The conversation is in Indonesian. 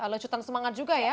lecutan semangat juga ya